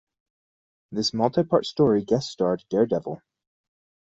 This multi-part story guest-starred Daredevil.